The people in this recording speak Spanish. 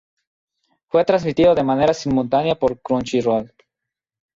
Fue transmitido de manera simultánea por "Crunchyroll".